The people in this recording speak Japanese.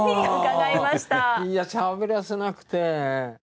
いいよしゃべらせなくて。